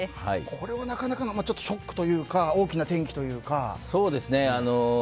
これはなかなかのショックというか大きな転機というか。